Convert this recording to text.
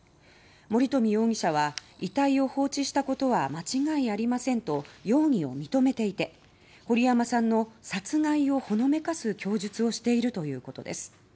森冨容疑者は「遺体を放置したことは間違いありません」と容疑を認めていて堀山さんの殺害をほのめかす供述をしているということです。